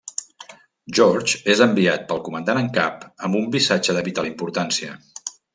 George és enviat pel comandant en cap amb un missatge de vital importància.